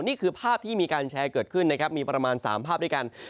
นี่คือภาพที่มีการแชร์เกิดขึ้นนะครับมีประมาณ๓ภาพด้วยกัน